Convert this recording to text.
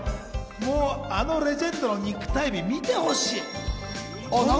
もうあのレジェンドの肉体美、見てほしい。